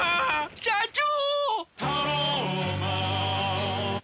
社長！